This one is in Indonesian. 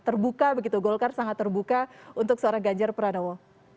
terbuka begitu golkar sangat terbuka untuk seorang ganjar pranowo